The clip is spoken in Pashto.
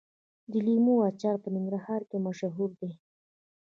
د لیمو اچار په ننګرهار کې مشهور دی.